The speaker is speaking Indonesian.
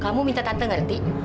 kamu minta tante ngerti